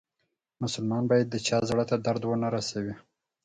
مسلمان باید د چا زړه ته درد و نه روسوي.